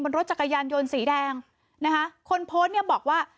รถจักรยานยนต์สีแดงนะคะคนโพสต์เนี่ยบอกว่า